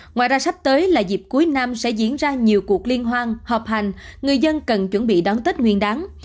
ngoài ra sắp tới là dịp cuối năm sẽ diễn ra nhiều cuộc liên hoan họp hành người dân cần chuẩn bị đón tết nguyên đáng